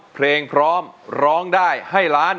เพลงพร้อมร้องได้ให้ล้าน